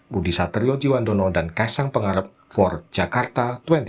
budi saterio jewandono dan kaisang pangarep for jakarta dua ribu dua puluh empat